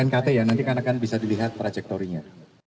itu knkt ya nanti kan akan bisa dilihat trajektorinya